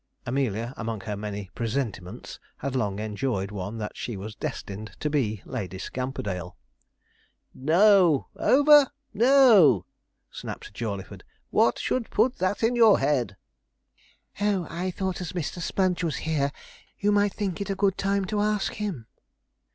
Amelia, among her many 'presentiments,' had long enjoyed one that she was destined to be Lady Scamperdale. 'No over no,' snapped Jawleyford; 'what should put that in your head?' 'Oh, I thought as Mr. Sponge was here, you might think it a good time to ask him.'